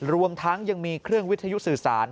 รวมทั้งยังมีเครื่องวิทยุสื่อสาร